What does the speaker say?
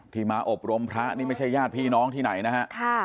มาอบรมพระนี่ไม่ใช่ญาติพี่น้องที่ไหนนะฮะ